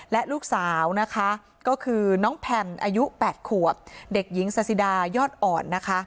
และลูกสาวก็คือน้องแผ่นอายุ๘ขวดเด็กหญิงซาซิดายอดอ่อน